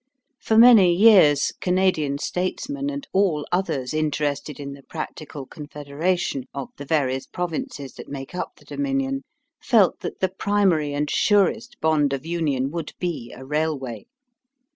For many years Canadian statesmen, and all others interested in the practical confederation of the various provinces that make up the Dominion, felt that the primary and surest bond of union would be a railway.